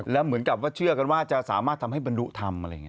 แล้วเหมือนกับเชื่อกันว่าจะสามารถทำให้บรรดุทำ